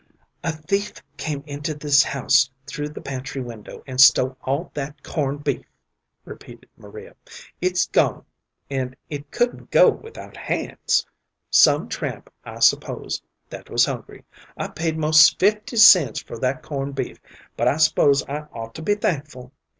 "A thief came into this house through the pantry window, and stole all that corn' beef," repeated Maria. "It's gone, and it couldn't go without hands. Some tramp, I s'pose, that was hungry. I paid 'most fifty cents for that corn' beef, but I s'pose I ought to be thankful.